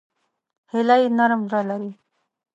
هیلۍ نرم زړه لري